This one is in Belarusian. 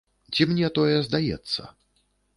Ці мне тое здаецца?